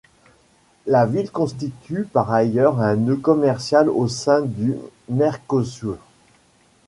La ville constitue par ailleurs un nœud commercial au sein du Mercosur.